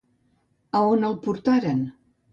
A on el portaren?